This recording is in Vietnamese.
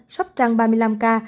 sóc trăng ba mươi năm ca